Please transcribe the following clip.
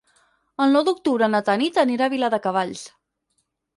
El nou d'octubre na Tanit anirà a Viladecavalls.